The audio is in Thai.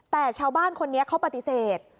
แต่ชาวบ้านคนนี้เขาปฏิเสธ